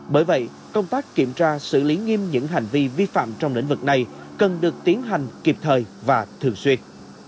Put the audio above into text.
bởi vậy công tác kiểm tra xử lý nghiêm những hành vi vi phạm trong lĩnh vực này cần được tiến hành kịp thời và thường xuyên